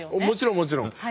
もちろんもちろん。